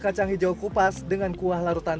kacang hijau kupas dengan kuah larutan